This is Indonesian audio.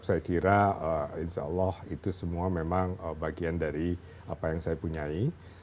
saya kira insya allah itu semua memang bagian dari apa yang saya punyai